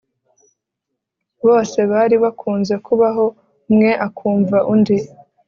bose bari bakunze kubaho umwe akumva undi